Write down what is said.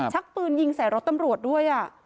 ชักปืนยิงใส่รถตำรวจด้วย